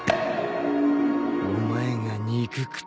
お前が憎くて。